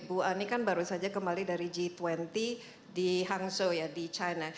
bu ani kan baru saja kembali dari g dua puluh di hangzhou ya di china